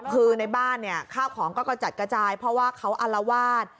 คือในบ้านเนี่ยข้าวของก็กระจัดกระจายเพราะว่าเขาอารวาส